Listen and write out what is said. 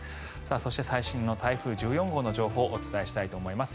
そして最新の台風１４号の情報をお伝えしたいと思います。